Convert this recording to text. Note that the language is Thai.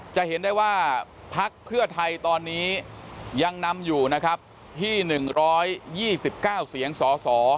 จะเห็นได้ว่าพักเพื่อไทยตอนนี้ยังนำอยู่นะครับที่๑๒๙เสียงสส